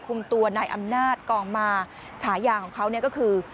คุมตัวนายอำนาจกองมาฉายาของเขาเนี่ยก็คือ